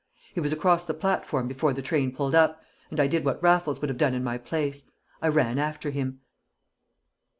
He was across the platform before the train pulled up, and I did what Raffles would have done in my place. I ran after him.